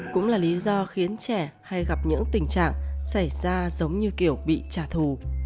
cũng là lý do khiến trẻ hay gặp những tình trạng xảy ra giống như kiểu bị trả thù